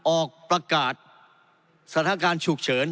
ออกประกาศสถานการณ์ฉุกเฉิน